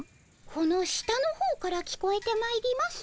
この下のほうから聞こえてまいります。